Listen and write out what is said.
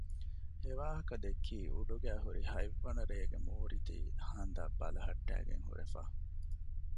އެވާހަކަ ދެއްކީ އުޑުގައި ހުރި ހަތްވަނަ ރޭގެ މޫރިތި ހަނދަށް ބަލަހައްޓައިގެން ހުރެފަ